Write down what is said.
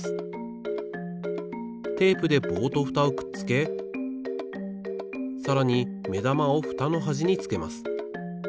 テープで棒とフタをくっつけさらにめだまをフタのはじにつけます。